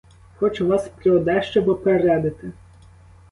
Хочу вас про дещо попередити.